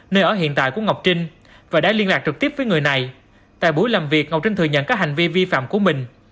nơi ở hiện tại của ngọc trinh và đã liên lạc trực tiếp với người này tại buổi làm việc ngọc trinh thừa nhận các hành vi vi phạm của mình